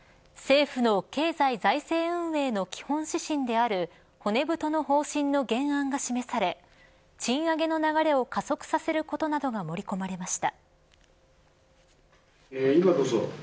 政府の経済財政運営の基本指針である骨太の方針の原案が示され賃上げの流れを加速させることなどが盛り込まれました。